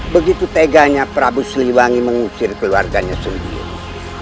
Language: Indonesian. begitu teganya prabu siliwangi mengukir keluarganya sendiri